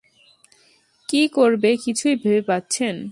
কি করবে কিছুই ভেবে পাচ্ছেন।